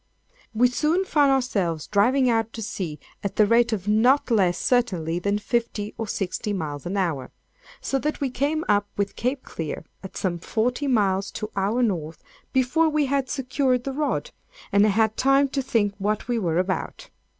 We soon found ourselves driving out to sea at the rate of not less, certainly, than fifty or sixty miles an hour, so that we came up with Cape Clear, at some forty miles to our North, before we had secured the rod, and had time to think what we were about.